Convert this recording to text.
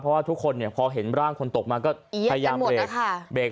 เพราะว่าทุกคนเนี้ยพอเห็นร่างคนตกมาก็อี๋ยังหมดละค่ะเบรก